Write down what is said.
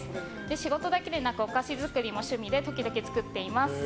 仕事だけでなくお菓子作りも趣味で時々作っています。